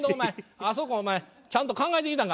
あそこお前ちゃんと考えてきたんか？